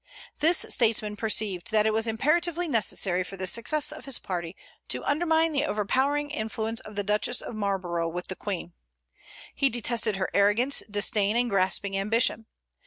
This statesman perceived that it was imperatively necessary for the success of his party to undermine the overpowering influence of the Duchess of Marlborough with the Queen. He detested her arrogance, disdain, and grasping ambition.